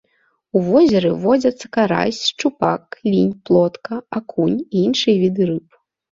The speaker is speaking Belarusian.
У возеры водзяцца карась, шчупак, лінь, плотка, акунь і іншыя віды рыб.